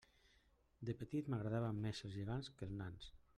De petit m'agradaven més els gegants que els nans.